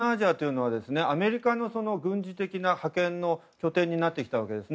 ずっと東南アジアというのはアメリカの軍事的な覇権の拠点になってきたんです。